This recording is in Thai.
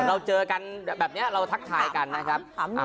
เราเจอกันแบบนี้เราทักทายกันนะครับ